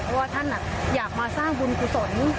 เพราะว่าท่านอยากมาสร้างบุญกุศล